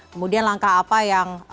kemudian langkah apa yang